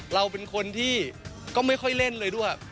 เราเป็นคนที่ก็ไม่ค่อยเล่นเลยด้วย